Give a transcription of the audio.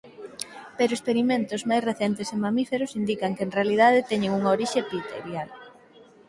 Pero experimentos máis recentes en mamíferos indican que en realidade teñen unha orixe epitelial.